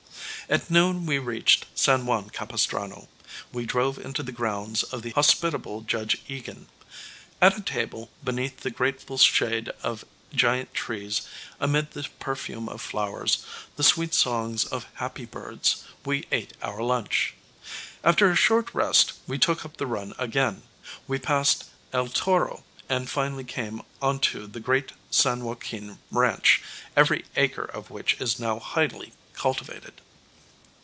At noon we reached San Juan Capistrano. We drove into the grounds of the hospitable Judge Egan. At a table, beneath the grateful shade of giant trees, amid the perfume of flowers, the sweet songs of happy birds, we ate our lunch. After a short rest we took up the run again. We passed El Toro and finally came onto the great San Joaquin ranch, every acre of which is now highly cultivated.